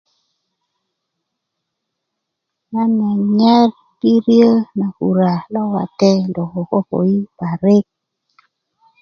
nan nyanyar biriö na kura lo wate lo kokopoyi parik